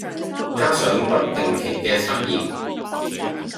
加上不定期嘅測驗